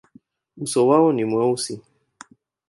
Uso wao ni mweusi.